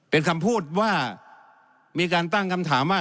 เป็นคำพูดว่ามีการตั้งคำถามว่า